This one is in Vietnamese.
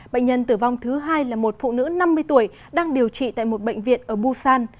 bệnh nhân tử vong thứ hai là một phụ nữ năm mươi tuổi đang điều trị tại một bệnh viện ở busan